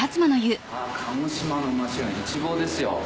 鹿児島の街が一望ですよ。